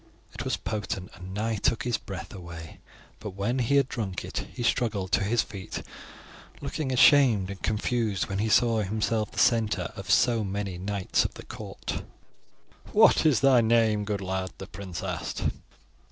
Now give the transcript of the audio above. It was potent and nigh took his breath away; but when he had drunk it he struggled to his feet, looking ashamed and confused when he saw himself the centre of attention of so many knights of the court. "What is thy name, good lad?" the prince asked.